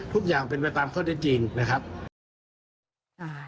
ทุกอย่างเป็นไปตามข้อได้จริงนะครับ